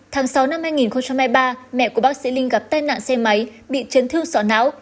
tháng sáu năm hai nghìn hai mươi ba mẹ của bác sĩ linh gặp tai nạn xe máy bị chấn thương sọ não